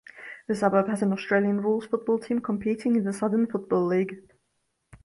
The suburb has an Australian Rules football team competing in the Southern Football League.